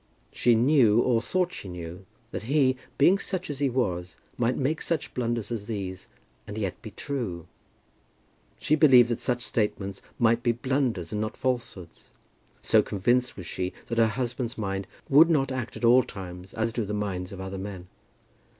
She knew, or thought she knew, that he, being such as he was, might make such blunders as these, and yet be true. She believed that such statements might be blunders and not falsehoods, so convinced was she that her husband's mind would not act at all times as do the minds of other men.